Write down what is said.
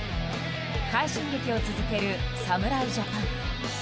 快進撃を続ける侍ジャパン。